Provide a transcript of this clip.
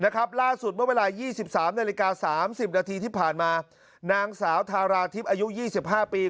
ล่าสุดเมื่อเวลา๒๓นาฬิกา๓๐นาทีที่ผ่านมานางสาวทาราทิพย์อายุ๒๕ปี